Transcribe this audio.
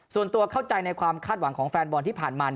ส่วนตัวเข้าใจในความคาดหวังของแฟนบอลที่ผ่านมา